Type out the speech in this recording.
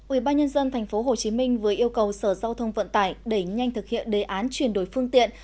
ubnd tp hcm vừa yêu cầu sở giao thông vận tải đẩy nhanh thực hiện đề án chuyển đổi phương tiện